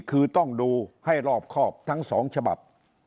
คือต้องดูให้รอบครอบทั้ง๒ฉบับ